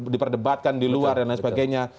diperdebatkan di luar dan lain sebagainya